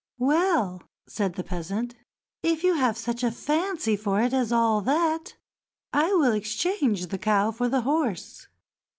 "Well," said the peasant, "if you have such a fancy for it as all that, I will exchange the cow for the horse."